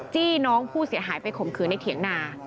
จี้น้องผู้เสียหายไปข่มขืนในเถียงนา